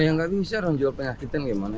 oh ya gak bisa dong jual penyakit yang gimana ya